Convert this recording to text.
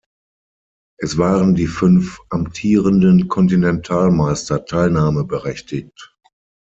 Es waren die fünf amtierenden Kontinentalmeister teilnahmeberechtigt.